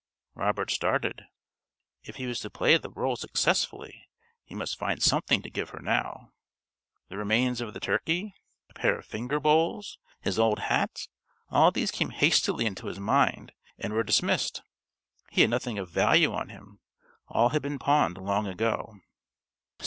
Robert started. If he was to play the rôle successfully he must find something to give her now. The remains of the turkey, a pair of finger bowls, his old hat all these came hastily into his mind, and were dismissed. He had nothing of value on him. All had been pawned long ago.